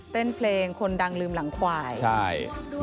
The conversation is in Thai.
เต้นเพลงคนดังลืมหลังควาย